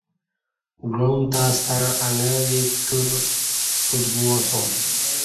گعام تاستݩع اݣں ویک پکیورں پوت گوا سوم